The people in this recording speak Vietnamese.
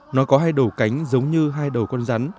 nó có hai đầu cánh giống như hai đầu con rắn